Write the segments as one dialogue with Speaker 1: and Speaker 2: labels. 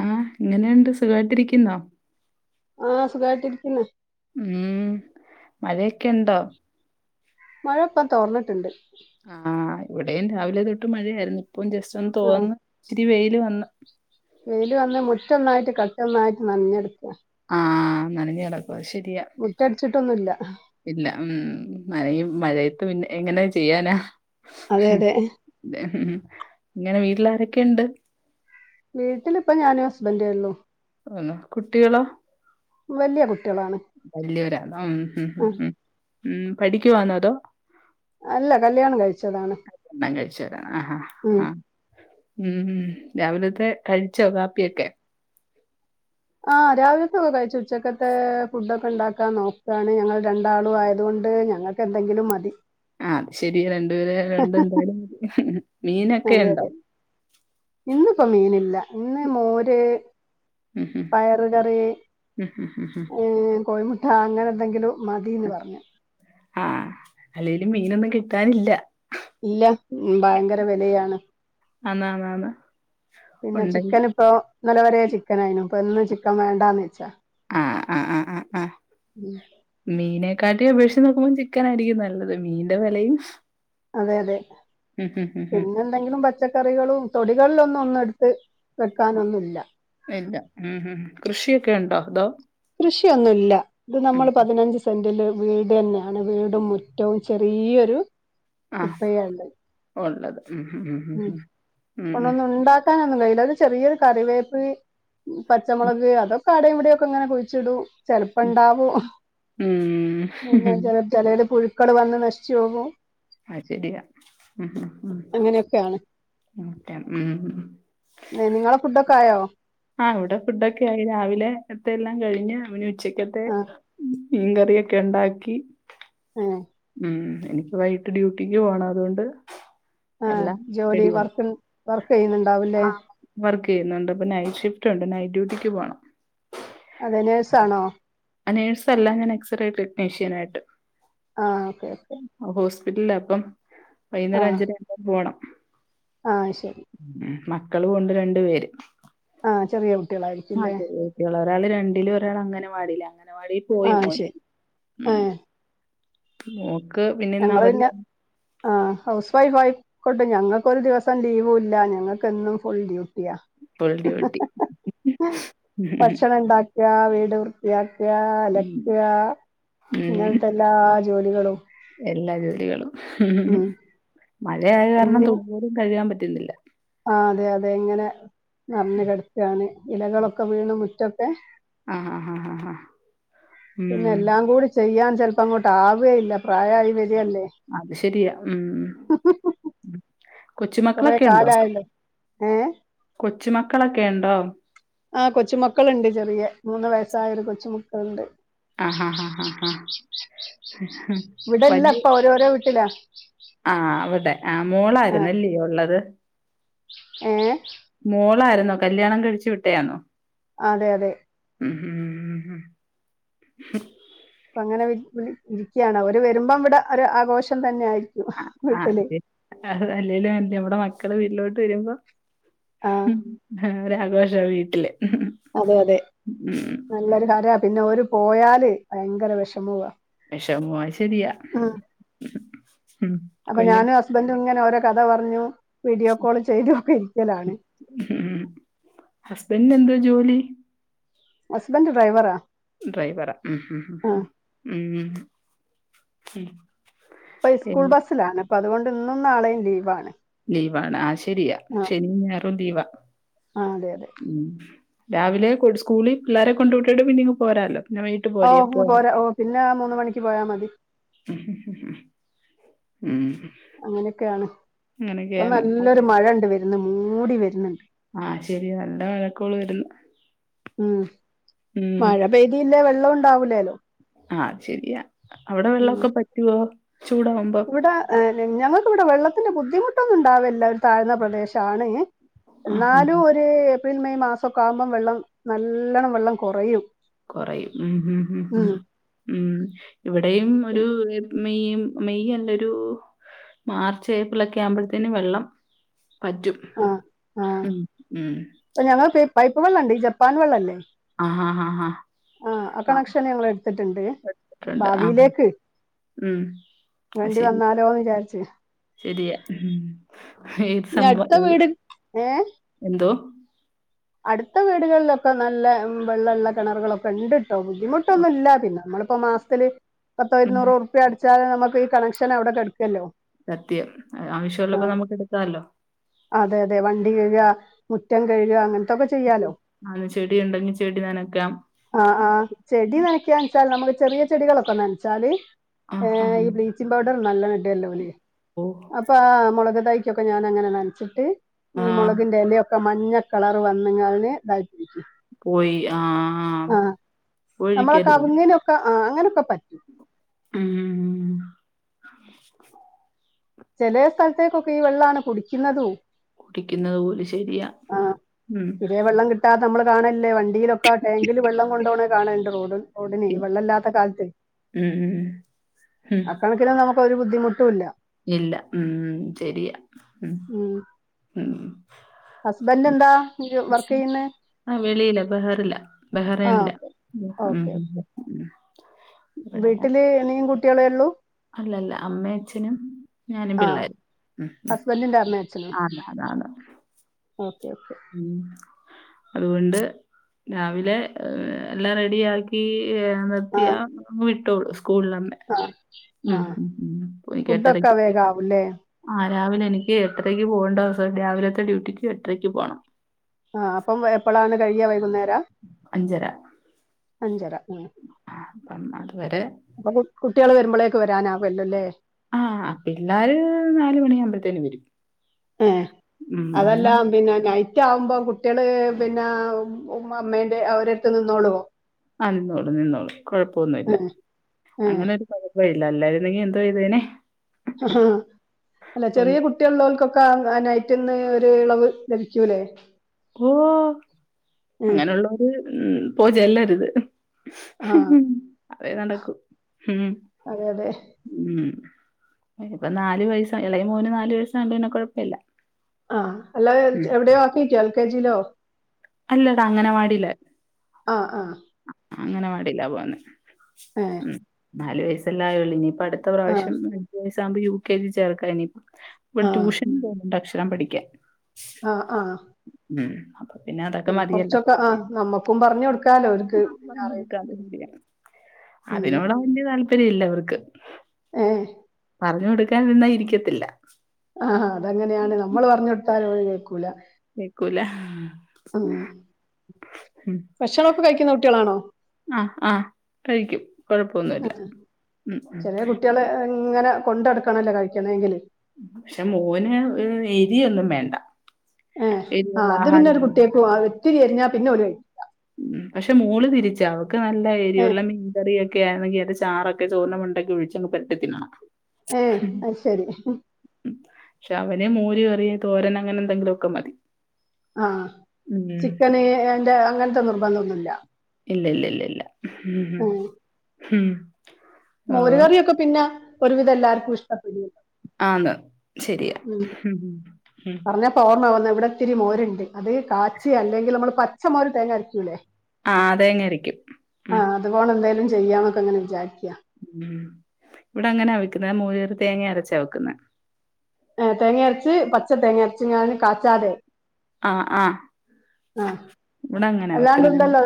Speaker 1: ആ എങ്ങനെയുണ്ട് സുഖാ യിട്ടിരിക്കുന്നോ.
Speaker 2: ആ സുഖായിട്ടി രിക്കിണ്.
Speaker 1: ഉം മഴേ ക്കെ ണ്ടോ.
Speaker 2: മഴ പ്പം തോർന്നിട്ടുണ്ട്.
Speaker 1: ആഹ് ഇവിടെയും രാവിലെ തൊട്ട് മഴയായിരുന്നു. ഇപ്പം ജസ്റ്റ് ഒന്ന്
Speaker 2: ആഹ്
Speaker 1: തോർന്ന് ഇച്ചിരി വെയില് വന്നു.
Speaker 2: വെയ്ൽ വന്ന് മുറ്റൊന്നായിട്ട് കട്ടൊന്നായിട്ട് നഞ്ഞെടുക്കുക.
Speaker 1: ആഹ നനഞ്ഞ് കിടക്കുവ ശെരിയാ.
Speaker 2: മുറ്റംടിച്ചിട്ടൊന്നുഇ ല്ല.
Speaker 1: ഇല്ല ഉം മഴത്ത് പിന്നെ എങ്ങനെ ചെയ്യാനാ.
Speaker 2: അതെ അതെ.
Speaker 1: മ്മ് ഇങ്ങളെ വീട്ടില് ആരൊക്കെയുണ്ട്?
Speaker 2: വീട്ടിലിപ്പം ഞാനു ഹസ്ബന്റേ ഉള്ളു
Speaker 1: ന്നാ കുട്ടികളോ
Speaker 2: വല്യ കുട്ടികളാണ്.
Speaker 1: വലിയവരാ മ്മ് മ്മ്
Speaker 2: ഉം
Speaker 1: മ്മ് മ്മ് പഠിക്കുവാന്നോ അതോ?
Speaker 2: അല്ല കല്യാണം കഴിച്ചതാണ്.
Speaker 1: കല്യാണം കഴിച്ചവരാ ആഹ് ആഹ്
Speaker 2: ഉം
Speaker 1: ആഹ്‌ മ്മ് മ്മ് രാവിലത്തെ കഴിച്ചോ കാപ്പിയൊക്കെ
Speaker 2: ആഹ് രാവിലത്തൊക്കെ കഴിച്ചു ഉച്ചക്കത്തെ ഫുഡ് ഒക്കെ ഉണ്ടാക്കാൻ നോക്കയാണ് ഞങ്ങൾ രണ്ടാളും ആയത് കൊണ്ട് ഞങ്ങൾ എന്തെങ്കിലും മതി
Speaker 1: ആഹ് അത് ശെരി രണ്ട് പേര് ആയോണ്ട് എന്തായാലും മീനൊക്കെ
Speaker 2: അതെ
Speaker 1: ഉണ്ടോ
Speaker 2: അതെ ഇന്നിപ്പോ മീനില്ല ഇന്ന് മോര്
Speaker 1: ഹും, ഹും.
Speaker 2: പയറ് കറി
Speaker 1: ഹും, ഹും, ഹും, ഹും.
Speaker 2: മ്മ് കോഴിമുട്ട അങ്ങനെ എന്തെങ്കിലും മതീന്ന് പറഞ്ഞു
Speaker 1: ആഹ് അല്ലേലും മീനൊന്നും കിട്ടാനില്ല
Speaker 2: ഇല്ല മ്മ് ഭയങ്കര വിലയാണ്
Speaker 1: ആന്ന് ആന്ന് ആന്ന്
Speaker 2: പിന്നെ ചിക്കൻ ഇപ്പൊ ഇന്നലെ വരെ ചിക്കൻ ആയിനു ഇപ്പൊ ഇന്ന് ചിക്കൻ വേണ്ടാന്ന് വെച്ചാ
Speaker 1: ആഹ് ആഹ് ആഹ് ആഹ് ആഹ്
Speaker 2: മ്മ്
Speaker 1: മീനെക്കാട്ടി അപേക്ഷിച്ച് നോക്കുമ്പോ ചിക്കനായിരിക്കും നല്ലത് മീന്റെ വിലയും
Speaker 2: അതെ അതെ
Speaker 1: ഹും.
Speaker 2: പിന്നെ എന്തെങ്കിലും പ പച്ചക്കറികളും തൊടികളിലൊന്നും ഒന്നും എടുത്ത് വെക്കാനൊന്നുല്ല.
Speaker 1: ഇല്ല മ്മ് മ്മ് കൃഷിയൊക്കെ ഉണ്ടോ അതോ?
Speaker 2: കൃഷിയൊന്നുല്ല ഇത്
Speaker 1: ഉം.
Speaker 2: നമ്മള് പതിനഞ്ച് സെന്റില് വീട് തന്നെയാണ് വീടും മുറ്റവും ചെ ഈയൊരു
Speaker 1: ആഹ് ഉള്ളത് മ്മ് മ്മ് മ്മ് മ്മ് മ്മ്.
Speaker 2: വക്കാനൊന്നും കഴിയില്ല അത് ഒരു ചെറിയൊരു കറിവേപ്പ് പച്ചമുളക് അതൊ ആടയും ഇവിടെ ഒക്കെ ഇങ്ങനെ കുഴിച്ചിടൂ ചെലപ്പം ഇണ്ടാവും
Speaker 1: ഉം.
Speaker 2: പിന്നെ
Speaker 1: ഉം.
Speaker 2: ചെല ചെലയിൽ പുഴുക്കൾ വന്ന് നശിച്ചു പോകും
Speaker 1: ആഹ് ശരിയാ ഉം ഉം
Speaker 2: അങ്ങനെയൊക്കെയാണ്
Speaker 1: ഉം
Speaker 2: ഏഹ് നിങ്ങളെ ഫുഡ്ഡൊക്കെ ആയോ?
Speaker 1: ആഹ് ഇവിടെ ഫുഡൊക്കെ ആയി രാവിലെത്തെ എല്ലാം കഴിഞ്ഞ് ഇനി ഉച്ചക്കത്തെ
Speaker 2: ആ
Speaker 1: മീൻകറിയൊക്കെ ഉണ്ടാക്കി
Speaker 2: ഏഹ്
Speaker 1: മ്മ് എനിക്ക് വൈകീട്ട് ഡ്യൂട്ടിക്ക് പോണം അതുകൊണ്ട്
Speaker 2: ആ
Speaker 1: എല്ലാം
Speaker 2: ജോലി
Speaker 1: റെഡിയായി
Speaker 2: വർക്ക് വർക്ക്
Speaker 1: ആ
Speaker 2: ചെയ്യുന്നുണ്ടാവല്ലേ
Speaker 1: വർക്ക് ചെയ്യുന്നുണ്ട് ഇപ്പൊ നൈറ്റ് ഷിഫ്റ്റ് ഉണ്ട് നൈറ്റ് ഡ്യൂട്ടിക്ക് പോണം
Speaker 2: അതെ നേഴ്സാണോ
Speaker 1: ആഹ് നഴ്സല്ല ഞാൻ എക്സ്റേ ടെക്നീഷ്യൻ ആയിട്ട്.
Speaker 2: ആഹ് ഓക്കേ ഓക്കെ
Speaker 1: ആഹ് ഹോസ്പിറ്റല് അപ്പം വൈകുന്നേരം
Speaker 2: ആഹ്
Speaker 1: അഞ്ചര ആവുമ്പം പോണം
Speaker 2: ആഹ് ശരി
Speaker 1: മ്മ് മക്കളു ഉണ്ട് രണ്ടു പേര്
Speaker 2: ആഹ് ചെറിയ കു
Speaker 1: ആഹ് ചെറിയ കുട്ടികളാ ഒരാൾ രണ്ടിലും ഒരാൾ അംഗനവാടിയിലാ അങ്ങനവാടിൽ പോയി
Speaker 2: ആഹ്
Speaker 1: മോൻ
Speaker 2: ശരി
Speaker 1: ഉം
Speaker 2: ഏഹ്
Speaker 1: മോക്ക് പിന്നെ ഇന്ന്
Speaker 2: ഞങ്ങള് പിന്നെ
Speaker 1: അവധിയാണ്.
Speaker 2: ആഹ് ഹൗസ് വൈഫ് ആയിക്കോട്ട് ഞങ്ങൾക്കൊരു ദിവസം ലീവ് ഇല്ല ഞങ്ങൾക്കും എന്നും ഫുൾ ഡ്യൂട്ടി അതെയാ
Speaker 1: ഫുൾ
Speaker 2: ഹ
Speaker 1: ഡ്യൂട്ടി
Speaker 2: ഹ ഹ ഭക്ഷണം ഇണ്ടാ വീട് വൃത്തിയാക്ക
Speaker 1: ഉം
Speaker 2: അലക്കാ
Speaker 1: ഉം
Speaker 2: ഇങ്ങനത്തെ എല്ലാ ജോലികളും
Speaker 1: എല്ലാ ജോലികളും
Speaker 2: ഉം
Speaker 1: മഴയായ കാരണം
Speaker 2: ഇനി
Speaker 1: തുണിപോലും കഴുകാൻ പറ്റുന്നില്ല
Speaker 2: ആഹ് അതെ അതെ ഇങ്ങനെ നിറഞ്ഞ് കിടക്കാണ് ഇലകളൊക്കെ വീണ് മുറ്റൊക്കെ
Speaker 1: ആഹ് ആഹ് ആഹ് ആഹ് ആഹ് ഉം
Speaker 2: പിന്നെല്ലാം കൂടി ചെയ്യാൻ ചെലപ്പങ്ങോട്ട് ആവേയില്ല പ്രായായി വെരല്ലേ?
Speaker 1: അത് ശെരിയാ ഉം
Speaker 2: ഹ ഹ ഹ ഹ കൊറേ
Speaker 1: കൊച്ചുമക്കളൊക്കെ
Speaker 2: കാലായില്ലോ ഏഹ്
Speaker 1: കൊച്ച്മക്കളെക്കെ എണ്ടോ
Speaker 2: ആ കൊച്ചുമക്കള്ണ്ട് ചെറിയ മൂന്ന് വയസ്സായൊരു കൊച്ചുമക്കളുണ്ട്.
Speaker 1: ആഹാ ഹാ ഹാ ഹാ ഹാ ഹ
Speaker 2: ഇവിടെല്ല ഇപ്പൊ ഓരോരോ വീട്ടിലാ
Speaker 1: ആഹ് അവ്ടെ ആഹ് മോളായിരുന്നല്ലേ ഉള്ളത്
Speaker 2: ഏഹ്
Speaker 1: മോളായിരുന്നോ കല്യാണം കഴിച്ച് വിട്ടയാണോ
Speaker 2: അതെ അതെ
Speaker 1: ഉം ഉ ഉ ഉ മ്
Speaker 2: ഇപ്പങ്ങനെ വെെൽ ല് ഇരിക്കിയാണ വര് വരുമ്പം ഇവിടെ ഒര്ആഘോഷം തന്നെയായിരി
Speaker 1: ആ ആ അതെ അല്ലേലും അങ്ങനെല്ലേ ഇവടെ മക്കള് വീട്ടിലോട്ട് വരുമ്പോ
Speaker 2: ആ
Speaker 1: മ് ആ ഒരു ആഘോഷാ വീട്ടില്.
Speaker 2: അതെ അതെ
Speaker 1: ഉം
Speaker 2: നല്ലൊരു കാര്യാ പിന്നെ ഓര് പോയാല് ഭയങ്കര വെഷമുവാ
Speaker 1: വെഷമോവും അഹ് ശെരിയാ മ്
Speaker 2: അപ്പൊ ഞാനും ഹസ്ബൻഡും ഇങ്ങനെ ഓരോ കഥ പറഞ്ഞ് വീഡിയോ കോള് ചെയ്തും ഒക്കെ ഇരിക്കലാണ്
Speaker 1: ഉം ഹസ്ബൻഡന് എന്തോ ജോലി?
Speaker 2: ഹസ്ബെന്റ് ഡ്രൈവറാ
Speaker 1: ഡ്രൈവറാ ഉം ഉം ഉം
Speaker 2: ആ
Speaker 1: ഉം ഉം ഉം
Speaker 2: ഇപ്പൊ സ്കൂൾ ബസ്സിലാണ് ഇപ്പൊ അതുകൊണ്ട് ഇന്നും നാളെയും ലീവാണ്
Speaker 1: ലീവാണ് ആഹ് ശരിയാ ശനിയും ഞായറും ലീവാ
Speaker 2: ആഹ് അതെ അതെ
Speaker 1: ഉം രാവിലെ സ്കൂളി പിള്ളേരെ കൊണ്ട് വിട്ടീട്ട് പിന്നിങ്ങ് പോരാല്ലോ പിന്നെ വൈ
Speaker 2: ഓഹോ പോരാ ഓഹ് പിന്നെ ആ മൂന്ന് മണിക്ക് പോയാ മതി
Speaker 1: ഹു ഹു ഹു ഹു ഉം ഹ്
Speaker 2: അങ്ങനെയൊക്കെയാണ് ഇപ്പൊ
Speaker 1: അ-
Speaker 2: നല്ലൊരു മഴ ഇണ്ട് വെര്ന്ന് മൂടി വെര്ന്ന്ണ്ട്
Speaker 1: ആഹ് ശെരി നല്ല മഴക്കോള് വെര്ന്ന് ഉം
Speaker 2: പേദിയില്ലേ വെള്ളം ഉണ്ടാവൂലെലോ
Speaker 1: ആഹ് അത്ശെരിയാ അവിടെ
Speaker 2: ഉം
Speaker 1: വെള്ളവൊക്കെ പറ്റുവോ ചൂടാവുമ്പോ?
Speaker 2: ഏഹ് ഞങ് ഞങ്ങൾക്ക്വ്ടെ വെള്ളത്തിന്റെ ബുദ്ധിമുട്ടൊന്നും ഉണ്ടാവലില്ല താഴ്ന്ന പ്രദേശാണ്
Speaker 1: ആ ആ
Speaker 2: എന്നാലും ഒര് ഏപ്രിൽ മെയ് മാസൊക്കെ ആകുമ്പം വെള്ളം നല്ലണം വെള്ളം കൊറയും.
Speaker 1: കൊറയും മ് മ് മ് ഇവിടെയും ഒരു മെയും മെയ്യെല്ലെരു മാർച്ച് ഏപ്രിൽ ഒക്കെ ആവുമ്പഴ് ത്തേന് വെള്ളം പറ്റും ഉം ഉം
Speaker 2: ഞങ്ങൾക്ക് പൈപ്പ് വെള്ളണ്ട് ഈ ജപ്പാൻ വെള്ളല്ലേ
Speaker 1: ആഹാഹാഹാ!
Speaker 2: ആഹാ ആ കണക്ഷന് ഞങ്ങളെടുത്തിട്ട്ണ്ട്
Speaker 1: കേട്ടിട്ടുണ്ട്. ആ.
Speaker 2: ഭാവിയിലേക്ക്
Speaker 1: ഉം.
Speaker 2: വേണ്ടി വന്നാലോ വിചാരിച്ച്
Speaker 1: ശെരിയ ഉം ഏഹ്
Speaker 2: ഇനി
Speaker 1: സംഭ
Speaker 2: അടുത്ത
Speaker 1: ഏഹ്
Speaker 2: വീട്
Speaker 1: എന്തോ
Speaker 2: അട്ത്ത വീടുകള്ലൊക്കെ നല്ല ഉം വെള്ളള്ള കെണറ്കളൊക്കെ ഇണ്ട് ട്ടൊ ബുദ്ധിമുട്ടൊന്നുല്ല പിന്നെ നമ്മള്പ്പോ മാസത്തില് പത്തോ
Speaker 1: ഉം.
Speaker 2: ഇരുന്നൂറാ റുപ്യ അട ഉച്ചായാ നമക്ക് ഈ കണക്ഷന് അവടെ കെട്ക്കുല്ലോ
Speaker 1: സത്യം ആവശ്യം ഉള്ളപ്പോ നമുക്ക് എട്ക്കാല്ലോ
Speaker 2: അതെ അതെ വണ്ടി കെഴ്ക മുറ്റം കെഴ്ക അങ്ങനെ
Speaker 1: [unintelligible] ചെടി ഇണ്ടെങ്കി ചെടി നനക്കാം
Speaker 2: ആഹ് ആഹ്
Speaker 1: [unintelligible]
Speaker 2: ചെടി നനക്കാണ്ച്ചാൽ നമ്മള് ചെറിയ ചെടികളൊക്കെ നനച്ചാല്
Speaker 1: ആഹാ!
Speaker 2: ഏഹ് ഈ ബ്ലീ ബ്ലീച്ചിങ്ങ്പൗഡർ നല്ലണം ഇടൊല്ലോല്
Speaker 1: ഓ!
Speaker 2: അപ്പാ മൊളക് തൈക്കൊക്കെ ഞാനങ്ങനെ നൻച്ചിട്ട്
Speaker 1: ആ
Speaker 2: ഈ മൊളകിന്റെ എലയൊക്കെ മഞ്ഞ കളർ വന്ന്ങ്ങാഞ് ഇതാക്കിക്കി.
Speaker 1: പോയി ആഹ് ആഹ്
Speaker 2: നമ്മളെ
Speaker 1: പോഴിക്കരുത്.
Speaker 2: കവുങ്ങിനൊക്കെ ആ അങ്ങനൊക്കെ പറ്റും.
Speaker 1: ഉം
Speaker 2: ചെലെ സ്ഥലത്തേക്കൊക്കെ ഈ വെള്ളാണ് കുടിക്കുന്നതും
Speaker 1: കുടിക്കുന്നത് പോലു ശരിയാ ഉം
Speaker 2: ഇതേ വെള്ളം കിട്ടാതമ്മള് കാണലില്ലേ വണ്ടിയിലൊക്കെ ടാങ്കില് വെള്ളം കൊണ്ടോണ കാണാലുണ്ട് റോഡിൽ. ടില് ഈ വെള്ളില്ലാത്ത കാലത്ത്
Speaker 1: ഉം ഉം ഉം
Speaker 2: അക്കണക്കിന് നമുക്കൊരു ബുദ്ധിമുട്ടുല്ല.
Speaker 1: ഇല്ല ഉം ശരിയാ ഉം.
Speaker 2: ഉം.
Speaker 1: ഉം.
Speaker 2: ഹസ്ബൻഡ്ന്താ ജോ വർക്ക് ചെയ്യ്ന്നേ?
Speaker 1: ആഹ്. വെളിയിലാ ബഹറിലാ.
Speaker 2: ആ
Speaker 1: ബഹറയിനിലാ.
Speaker 2: ഓക്കെ
Speaker 1: ഉം.
Speaker 2: ഓക്കെ
Speaker 1: ഉം. ഇവിടെ
Speaker 2: വീട്ടില് നീയും കുട്ടികളും ഒള്ളൂ?
Speaker 1: അല്ലല്ല അമ്മയുച്ഛനും ഞാനും പിള്ളേരും.
Speaker 2: ഹസ്ബന്റിന്റെ അമ്മേ?
Speaker 1: ആന്നാന്നാന്ന്‌.
Speaker 2: Okay okay.
Speaker 1: ഉം. അതുകൊണ്ട് രാവിലെ എല്ലാം റെഡി ആക്കി ഏ ത്തിയ വിട്ടോള്ളൂ സ്കൂളിലെന്നെ.
Speaker 2: ആഹ് ആഹ്
Speaker 1: എനിക്ക്
Speaker 2: ഫുഡൊക്കെ
Speaker 1: എട്ടരക്ക്
Speaker 2: വേഗാവുല്ലേ?
Speaker 1: ആ രാവിലെ എനിക്ക് എട്ടരയ്ക്ക് പോകേണ്ട ദേവസം രാവിലത്തെ ഡ്യൂട്ടിക്ക് എട്ടരയ്ക്ക് പോകണം.
Speaker 2: ആഹ്. അപ്പം എപ്പളാണ് കഴിയ വൈകുന്നേരാ?
Speaker 1: അഞ്ചര
Speaker 2: ഉം.
Speaker 1: അപ്പം അതുവരെ
Speaker 2: അപ്പൊ കുട്ടികൾ വരുമ്പോളേക്ക് വരാനാവുവല്ലോല്ലേ?
Speaker 1: ആഹ് പിള്ളേർ നാല് മണിയാവുമ്പോഴത്തേന് വരും.
Speaker 2: ഏഹ്.
Speaker 1: ഉം വന്ന
Speaker 2: അതെല്ലാ പിന്നെ നൈ റ്റാവുമ്പോ കുട്ടികള് പിന്നെ ഉം ഉമ്മാമ്മന്റെ അവരെടുത്ത് നിന്നോളുവോ?
Speaker 1: ആഹ്. നിന്നോളും നിന്നോളും കൊഴപ്പൊന്നുല്ല
Speaker 2: ഏഹ്
Speaker 1: അങ്ങനൊ രു കുഴപ്പോമില്ല അല്ലാരുന്നെങ്കി എന്തു ചെയ്തേനെ?
Speaker 2: അല്ല ചെറിയ
Speaker 1: ഒന്ന്
Speaker 2: കുട്ട് കുട്ടിയുള്ളോൽ ക്കൊക്കെ ആ നെറ്റിന്ന് ഒരു ഇളവ് ലഭിക്കൂല്ലേ?
Speaker 1: ഓ
Speaker 2: ഏഹ്
Speaker 1: അങ്ങനുള്ളോര് ഉം പോയി ചെല്ലരുത്.
Speaker 2: ആ
Speaker 1: മ് അതെ നടക്കു. ഉം.
Speaker 2: അതെ അതെ
Speaker 1: ഉം ഇനിപ്പൊ നാല് വയസാ ഇളയ മോന് നാല് വയസായോണ്ടു പിന്നെ കുഴപ്പില്ല.
Speaker 2: ആഹ് എല്ലാ എൽ എവിടെയോ ആക്കിക്കൊ എൽ കെ ജിയിലോ?
Speaker 1: അല്ലടാ അങ്ങനവാടിയ്ല്
Speaker 2: ആഹ് ആഹ്
Speaker 1: അ അംഗൻവാടിലാ പോന്നെ
Speaker 2: ഏഹ്
Speaker 1: ഉം. നാലു വയസ്സല്ലെ ആയ്ള്ളൂ ഇനിപ്പ അടുത് ത്ത
Speaker 2: ആ
Speaker 1: പ്രാവശ്യം അഞ്ചു വയസാകുമ്പോ യു കെ ജിൽ ചേർക്കാ ഇനി ഇപ്പം ഇവിടെ
Speaker 2: ആ
Speaker 1: ട്യൂഷനും പോകുന്നുണ്ട് അക്ഷരം പഠിക്കാൻ.
Speaker 2: ആഹ് ആഹ്.
Speaker 1: ഉം അതെ. പിന്നെ അതൊക്കെ മതിയല്ലോ?
Speaker 2: ആ നമ്മക്കും പറഞ്ഞു കൊടുക്കാലോ അവർക്ക് പിന്നെ അറിയുന്നത് ഉം
Speaker 1: അതിനോട് വല്യ താല്പര്യില്ലവർക്ക്.
Speaker 2: ഏഹ്
Speaker 1: പറഞ്ഞു കൊടുക്കാൻ നിന്ന ഇരിക്കത്തില്ല.
Speaker 2: ആഹ്. അതങ്ങനെയാണ്. നമ്മള് പറഞ്ഞ് കൊടുത്താൽ ഓല് കേൾക്കൂല.
Speaker 1: കേക്കൂല.
Speaker 2: ആഹ്.
Speaker 1: ഉം
Speaker 2: ഭക്ഷണൊക്കെ കഴിക്കുന്ന കുട്ടികളാണോ?
Speaker 1: ആഹ് ആഹ കഴിക്കും.
Speaker 2: ആ
Speaker 1: കൊഴപ്പൊന്നുല്ല ഉം
Speaker 2: ചെറിയ കുട്ടികളെ ഇങ്ങനെ കൊണ്ടടുക്കണല്ലോ കഴിക്കണെങ്കിൽ
Speaker 1: പക്ഷെ മോന് എരിയൊന്നും വേണ്ട
Speaker 2: ഏഹ്
Speaker 1: എരിവുള്ള
Speaker 2: ആഹ് അത് പിന്നെ ഒരു
Speaker 1: ആഹാരൊന്നും
Speaker 2: കുട്ടിയെ പോ ഒത്തി ചരിഞ്ഞാ പിന്നെ ഓല് കഴി
Speaker 1: ഉം പക്ഷെ മോള് തിരിച്ച അവക്ക് നല്ല
Speaker 2: ഏ
Speaker 1: ഏരിവുള്ള മീൻ ചെറിയൊക്കെ ആണങ്കി അതൊകെചോറൊക്കെ ചോറിന്റെമണ്ടക്ക ഒഴിച്ച്ങ് പെരട്ടിത്തിന്നണം
Speaker 2: ഏ അയ് ശരി
Speaker 1: ഉം, പക്ഷെ അവനെ മോര് കറി, തോരൻ അങ്ങനെ എന്തെങ്കിലു ഒക്കെ മതി
Speaker 2: ആഹ്
Speaker 1: ഉം
Speaker 2: ചിക്കന് എന്റെ അങ്ങനത്തെ നിർബന്ധംന്നുംല്ല
Speaker 1: ഇല്ല ല്ല ല്ല ഇല്ല ഉം ഉം ഓ
Speaker 2: മോരുകറിയൊക്കെ പിന്നാ ഒരുവിധം എല്ലാവർക്കും ഇഷ്ടപ്പെടു
Speaker 1: ആന്നാ ശരിയാ
Speaker 2: ഓർമ്മവന്ന ഇവിടെ ഇത്തിരി മോരുണ്ട് അത് കാച്ചി അല്ലെങ്കിൽ നമ്മൾ പച്ച മോര് തേങ്ങ അരക്കൂല്ലേ
Speaker 1: ആഹ് അതെങ്ങെയിരിക്കും ഉം
Speaker 2: അതുപോണ എന്തേലും ചെയ്യാന്നൊക്കെ അങ്ങനെ വിചാരിക്കാ
Speaker 1: ഉം ഇവിടെ അങ്ങനാ വെക്കുന്നെ മോര്‌ കറി തേങ്ങ അരച്ചാ വെക്കുന്നെ
Speaker 2: തേങ്ങ അരച്ച് പച്ച തേങ്ങ അരച്ച ഞാന് കാച്ചാതെ
Speaker 1: ആഹ് ആഹ്
Speaker 2: ആഹ് അല്ലാണ്ട് ഇണ്ടല്ലോ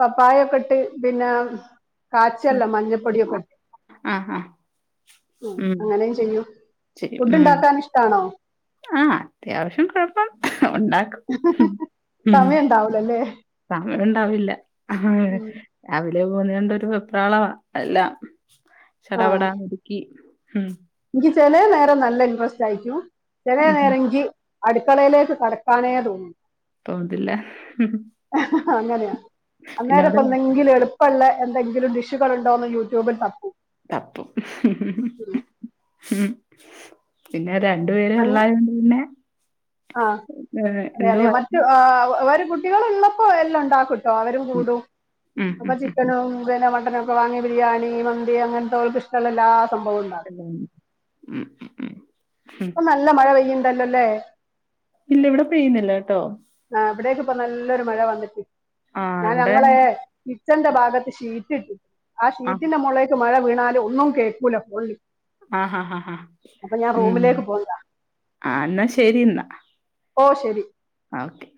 Speaker 2: പപ്പായൊക്കെ ഇട്ട് പിന്നാ കാച്ചല്ല മഞ്ഞപ്പൊടിയൊക്കെട്ട
Speaker 1: ആ ആ
Speaker 2: ഉ അങ്ങനെയയും ചെയ്യൂ
Speaker 1: ചെയും.
Speaker 2: ഫുഡ്
Speaker 1: ഉം
Speaker 2: ഉണ്ടാക്കാൻ ഇഷ്ടാണോ
Speaker 1: ആ അത്യാവശ്യം കൊഴപ്പം ഉണ്ടാക്കും ഉം
Speaker 2: ആവുലല്ലേ
Speaker 1: സമയണ്ടാവില്ല രാവിലെ പോന്നെണ്ടരു വെപ്രാളവാ എല്ലാം ചടപടാൻ ഇടുക്കി ഉം
Speaker 2: ൻക്ക് ചെലെ നേര നല്ല ഇൻട്രസ്റ്റ് ആയിരിക്കു ചെല
Speaker 1: ഉം.
Speaker 2: നേര ൻക്ക് അടുക്കളയിലേക്ക്കടക്കാനേ തോന്നില്
Speaker 1: തോന്നത്തില്ല
Speaker 2: അങ്ങനെയാ അന്നേരപ്പന്തെങ്കിലും എളു- - ഇപ്പള്ള എന്തെങ്കിലും ഡിഷുകൾ ഉണ്ടോ എന്ന് യൂട്യൂബിൽ തപ്പും
Speaker 1: തപ്പും.
Speaker 2: ഉം.
Speaker 1: പിന്നെ രണ്ടുപേര ഒള്ളായിര പിന്നെ
Speaker 2: ആഹ്
Speaker 1: ഏഹ്
Speaker 2: അതെ അതെ
Speaker 1: എന്തുവാ
Speaker 2: മറ്റ വ കുട്ടികൾ ഉള്ളപ്പോ എല്ലാം ഉണ്ടകു ചോവരും കൂടും
Speaker 1: ഉം.
Speaker 2: അപ്പൊ
Speaker 1: ഉം.
Speaker 2: ചിക്കനും പിന്നെ മട്ടനും പ്പോ വാങ്ങിയ ബിരിയാണി, മന്തി അങ്ങനത്തെവർക്ക ഇഷ്ടള്ള എല്ലാ സംഭവും ഉണ്ടാകും
Speaker 1: ഉം
Speaker 2: പ്പോ നല്ല മഴ പെയ്യണ്ടല്ലോല്ലേ?
Speaker 1: ഇല്ല ഇവിടെ പെയ്യുന്നില്ല ട്ടോ
Speaker 2: ആഹ് ഇവിടേക്ക് ഇപ്പ നല്ലൊരു മഴ വന്നിക്ക്
Speaker 1: ആഹ്
Speaker 2: ഞാൻ
Speaker 1: ഇവിടെ
Speaker 2: ഞങ്ങളേ കിച്ചന്റെ ഭാഗത്ത് ഷീറ്റ് ഇട്ട്. ആ
Speaker 1: ആഹ്.
Speaker 2: ഷീറ്റിന്റെ മുളേക്ക് മഴ വീണാലും ഒന്നും കേൾക്കൂല
Speaker 1: ആഹ് ഹാ ഹാ ഹാ
Speaker 2: അപ്പൊ ഞാൻ
Speaker 1: ഉം
Speaker 2: റൂമിലേക്ക് പോകണ്ട
Speaker 1: ആഹ് എന്നാ ശരി ന്നാ
Speaker 2: ഓഹ് ശരി
Speaker 1: ആ ഓക്കെ